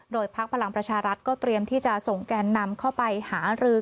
โดยพักพลังประชารัฐก็เตรียมที่จะส่งแกนนำเข้าไปหารือ